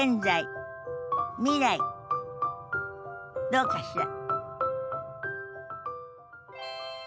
どうかしら？